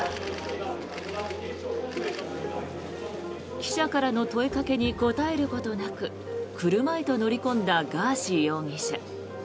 記者からの問いかけに答えることなく車へと乗り込んだガーシー容疑者。